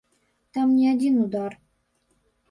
Там не адзін удар.